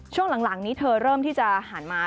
ช่วงหลังนี้เธอเริ่มที่จะหันมา